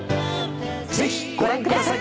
ぜひご覧ください。